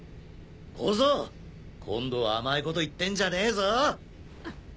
小僧今度は甘いこと言ってんじゃねえぞ！